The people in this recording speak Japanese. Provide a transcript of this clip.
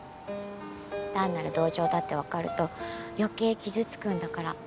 単なる同情だって分かると余計傷つくんだから。